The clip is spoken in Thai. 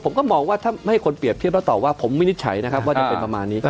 ผมก็มองว่าถ้าไม่ให้คนเปรียบเทียบแล้วตอบว่าผมวินิจฉัยนะครับว่าจะเป็นประมาณนี้